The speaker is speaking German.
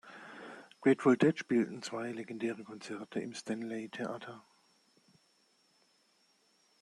Grateful Dead spielten zwei legendäre Konzerte im "Stanley Theater".